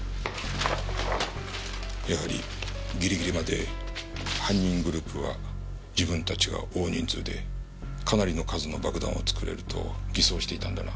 やはりギリギリまで犯人グループは自分たちが大人数でかなりの数の爆弾を作れると偽装していたんだな。